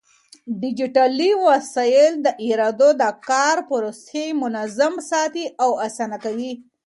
ډيجيټلي وسايل د ادارو د کار پروسې منظم ساتي او آسانه کوي.